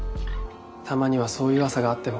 たまにはそういう朝があっても。